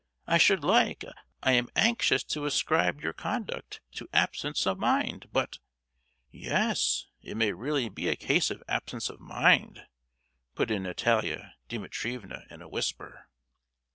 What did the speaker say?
I should like—I am anxious to ascribe your conduct to absence of mind, but——" "Yes; it may really be a case of absence of mind!" put in Natalia Dimitrievna in a whisper.